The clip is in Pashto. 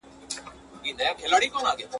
نن د جنګ میدان ته ځي خو توپ او ګولۍ نه لري !.